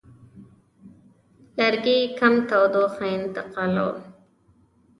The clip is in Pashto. لرګي کم تودوخه انتقالوي.